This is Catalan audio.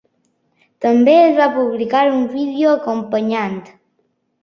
També es va publicar un vídeo acompanyant.